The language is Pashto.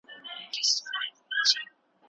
چي نه قبر د شهید وي نه جنډۍ وي چاته پاته